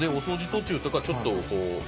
途中とかちょっとこう。